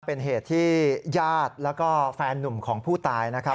เป็นเหตุที่ญาติแล้วก็แฟนนุ่มของผู้ตายนะครับ